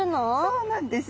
そうなんです。